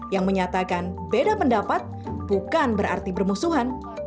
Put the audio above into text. yang menyatakan beda pendapat bukan berarti bermusuhan